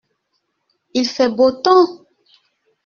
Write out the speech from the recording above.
Il fait beau temps.